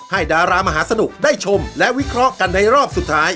ดารามหาสนุกได้ชมและวิเคราะห์กันในรอบสุดท้าย